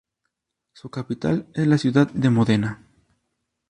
Su capital es la ciudad de Módena.